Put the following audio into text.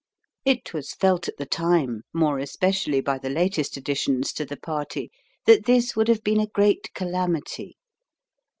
It was felt at the time, more especially by the latest additions to the party, that this would have been a great calamity.